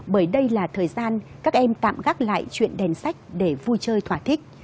bởi đây là thời gian các em tạm gác lại chuyện đèn sách để vui chơi thỏa thích